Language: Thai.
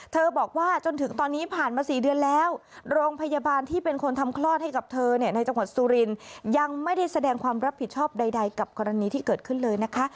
บอกว่าจนถึงตอนนี้ผ่านมา๔เดือนแล้วโรงพยาบาลที่เป็นคนทำคลอดให้กับเธอเนี่ยในจังหวัดสุรินยังไม่ได้แสดงความรับผิดชอบใดกับกรณีที่เกิดขึ้นเลยนะคะ